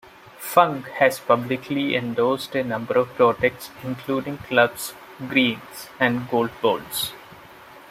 Funk has publicly endorsed a number of products including clubs, greens, and golf balls.